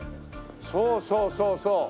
そうそうそうそう。